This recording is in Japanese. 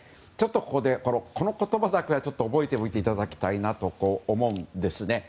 ここでこの言葉だけは覚えておいていただきたいと思うんですね。